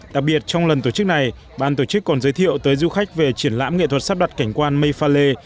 đặc biệt trong lần tổ chức này ban tổ chức còn giới thiệu tới du khách về triển lãm nghệ thuật sắp đặt cảnh quan mây pha lê